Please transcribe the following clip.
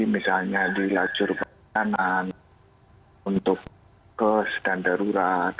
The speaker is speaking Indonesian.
misalnya dilacurkan ke kanan untuk ke standar urat